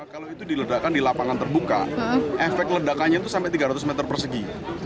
kalau itu diledakkan di lapangan terbuka efek ledakannya itu sampai tiga ratus meter persegi